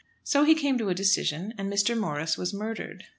So he came to a decision, and Mr. Morris was murdered.